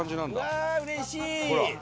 うれしい！